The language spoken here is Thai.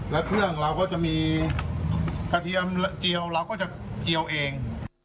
และเครื่องเราก็จะมีกระเทียมเจียวเราก็จะเจียวเอง